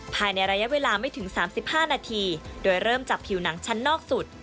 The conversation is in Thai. ภายในระยะเวลาไม่ถึง๓๕นาทีโดยเริ่มจับผิวหนังชั้นนอกสุด